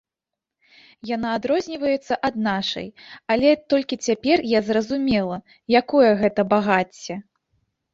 Яна адрозніваецца ад нашай, але толькі цяпер я зразумела, якое гэта багацце.